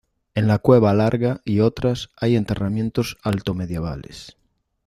En la cueva Larga y otras, hay enterramientos altomedievales.